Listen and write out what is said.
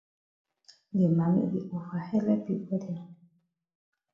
De mami di ova helep pipo dem.